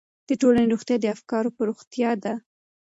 د ټولنې روغتیا د افکارو په روغتیا ده.